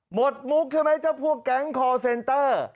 หมดมุกใช่มั้ยเจ้าพวกแก๊งคอลเซนเตอร์